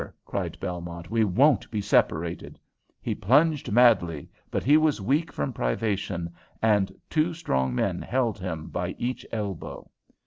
cried Belmont. "We won't be separated!" He plunged madly, but he was weak from privation, and two strong men held him by each elbow.